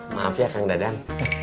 maaf ya kang dadang